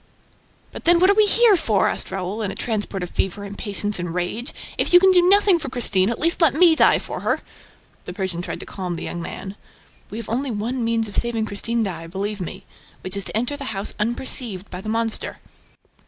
"But then, what are we here for?" asked Raoul, in a transport of fever, impatience and rage. "If you can do nothing for Christine, at least let me die for her!" The Persian tried to calm the young man. "We have only one means of saving Christine Daae, believe me, which is to enter the house unperceived by the monster."